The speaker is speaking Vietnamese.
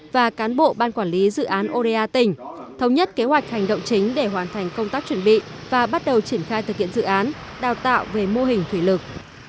và cán bộ ban quản lý dự án oda tỉnh thống nhất kế hoạch hành động chính để hoàn thành công tác chuẩn bị và bắt đầu triển khai thực hiện dự án đào tạo về mô hình thủy lực